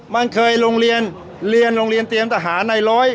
มันเคยโรงเรียนเรียนโรงเรียนเตรียมทหารในร้อย